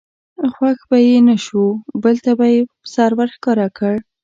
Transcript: خوښ به یې نه شو بل ته به سر ور ښکاره کړ.